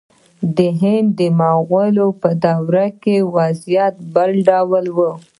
د هند د مغولو په دور کې وضعیت بل ډول و.